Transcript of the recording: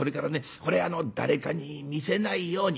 これあの誰かに見せないように」。